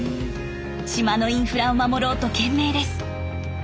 島のインフラを守ろうと懸命です。